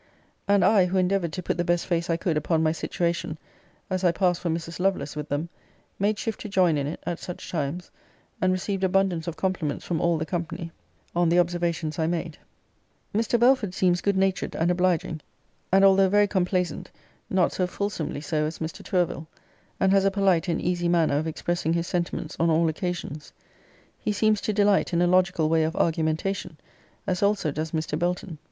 And I, who endeavoured to put the best face I could upon my situation, as I passed for Mrs. Lovelace with them, made shift to join in it, at such times, and received abundance of compliments from all the company, on the observations I made.* * See Letter XIII. of Vol. V. above referred to. Mr. Belford seems good natured and obliging; and although very complaisant, not so fulsomely so as Mr. Tourville; and has a polite and easy manner of expressing his sentiments on all occasions. He seems to delight in a logical way of argumentation, as also does Mr. Belton.